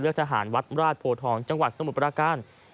เลือกทหาหาณวัตรราชโพธทรองจังหวาสนบปรากัน